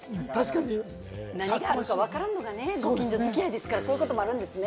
何があるのがわからんのがご近所付き合いですから、こういうこともあるんですね。